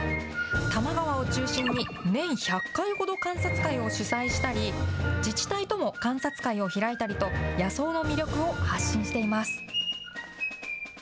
多摩川を中心に、年１００回ほど観察会を主催したり、自治体とも観察会を開いたりと、野草の魅力を発信しています。